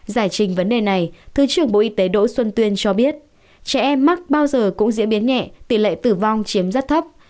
giải trình vấn đề này thứ trưởng bộ y tế đỗ xuân tuyên cho biết trẻ em mắc bao giờ cũng diễn biến nhẹ tỷ lệ tử vong chiếm rất thấp